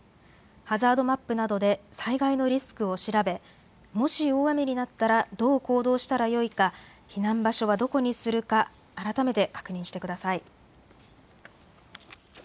ハザードマップなどで災害のリスクを調べ、もし大雨になったらどう行動したらよいか、避難場所はどこにするか、改めて確認してください。